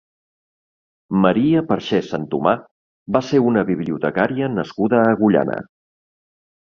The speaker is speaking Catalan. Maria Perxés Santomà va ser una bibliotecària nascuda a Agullana.